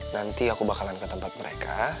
nanti aku bakalan ke tempat mereka